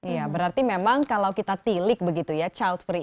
ya berarti memang kalau kita tilik begitu ya child free